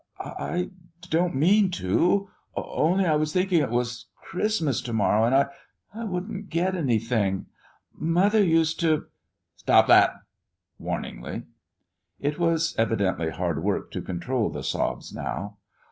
"I don't mean to. Only I was thinkin' it was Christmas to morrow, and I wouldn't get anything, mother used to" "Stop that!" warningly. It was evidently hard work to control the sobs, now.